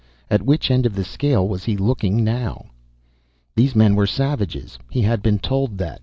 At which end of the scale was he looking now? These men were savages, he had been told that.